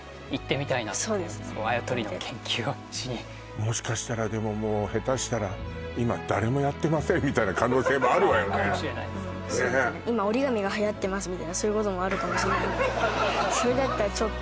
あやとりの研究をしにもしかしたらでももうヘタしたら今誰もやってませんみたいな可能性もあるわよねかもしれないですねみたいなそういうこともあるかもしれないのでそれだったらちょっと